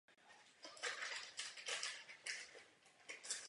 Děj filmu se odehrává ve farmářské rodině na jihoafrickém venkově.